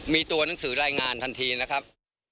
มีตัวหนังสือรายงานทันทีนะครับ